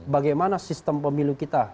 bagaimana sistem pemilu kita